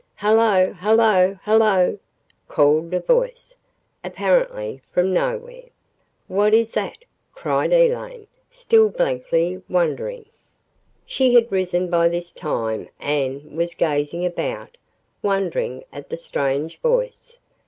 "Hello! Hello! Hello!" called a voice, apparently from nowhere. "What is that?" cried Elaine, still blankly wondering. She had risen by this time and was gazing about, wondering at the strange voice.